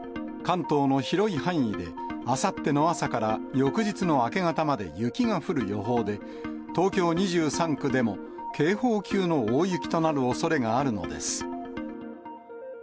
関東の広い範囲で、あさっての朝から翌日の明け方まで雪が降る予報で、東京２３区でも警報級の大雪となるおそれがあるのです。